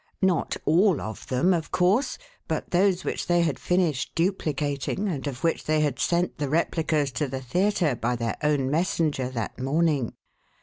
Not all of them, of course, but those which they had finished duplicating and of which they had sent the replicas to the theatre by their own messenger that morning.